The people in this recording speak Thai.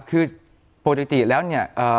คือปกติแล้วเนี่ย